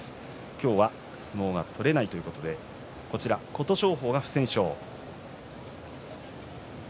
今日は相撲が取れないということで琴勝峰が不戦勝。